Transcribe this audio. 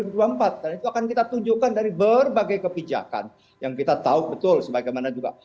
dan itu akan kita tunjukkan dari berbagai kebijakan yang kita tahu betul sebagaimana juga